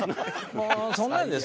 もうそんなんです。